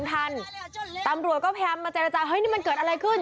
ตำรวจก็พยายามมาเจรจาเฮ้ยนี่มันเกิดอะไรขึ้น